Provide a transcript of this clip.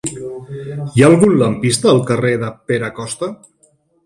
Hi ha algun lampista al carrer de Pere Costa?